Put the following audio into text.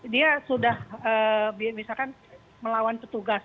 dia sudah misalkan melawan petugas